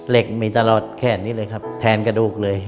เหล็กมีตลอดแขนนี้เลยครับแทนกระดูกเลย